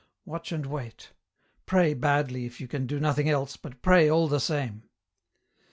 Watch and wait ; pray badly if you can do nothing else, but pray all the same.